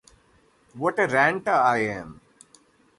What a ranter I am!